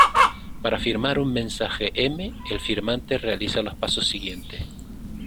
Para firmar un mensaje "m" el firmante realiza los pasos siguientes.